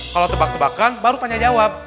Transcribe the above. kalau tebak tebakan baru tanya jawab